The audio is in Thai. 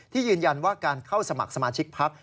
ยืนยันว่าการเข้าสมัครสมาชิกพัก